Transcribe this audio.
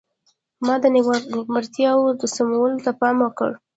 ما د نیمګړتیاوو سمولو ته پام وکړ.